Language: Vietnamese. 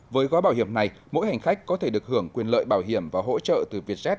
với gói bảo hiểm này mỗi hành khách có thể được hưởng quyền lợi bảo hiểm và hỗ trợ từ vietjet